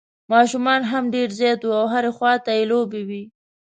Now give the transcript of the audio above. ماشومان هم ډېر زیات وو او هر خوا ته یې لوبې وې.